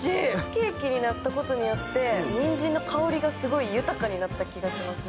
ケーキになったことによってにんじんの香りがすごい豊かになった気がしますね。